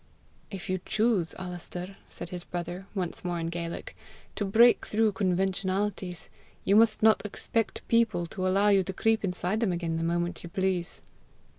"If you choose, Alister," said his brother, once more in Gaelic, "to break through conventionalities, you must not expect people to allow you to creep inside them again the moment you please."